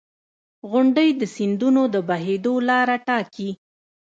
• غونډۍ د سیندونو د بهېدو لاره ټاکي.